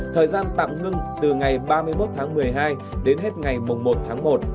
thời gian tạm ngưng từ ngày ba mươi một tháng một mươi hai đến hết ngày một tháng một